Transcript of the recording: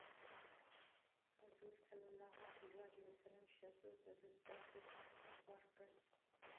نبي ﷺ ښځو ته د زدهکړې فرصت ورکړ.